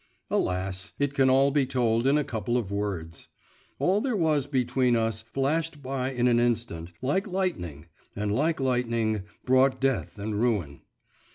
Alas! it can all be told in a couple of words. All there was between us flashed by in an instant, like lightning, and like lightning, brought death and ruin.